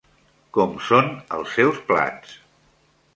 Com són els seus plats?